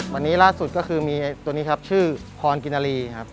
วันนี้ล่าสุดก็คือมีตัวนี้ครับชื่อพรกินนารีครับ